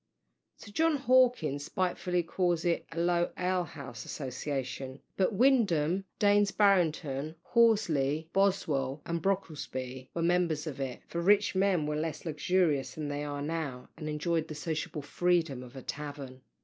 Sir John Hawkins spitefully calls it "a low ale house association;" but Windham, Daines Barrington, Horsley, Boswell, and Brocklesby were members of it; for rich men were less luxurious than they are now, and enjoyed the sociable freedom of a tavern.